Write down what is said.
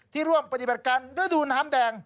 ร่วมปฏิบัติการฤดูน้ำแดง